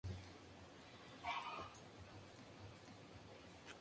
La Junta de Educación de Union City gestiona escuelas públicas.